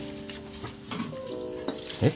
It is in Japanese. えっ？